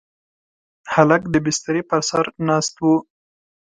هلک د بسترې پر سر ناست و.